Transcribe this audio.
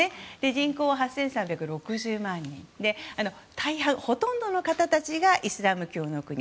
人口８３６０万人で大半、ほとんどの方たちがイスラム教の国。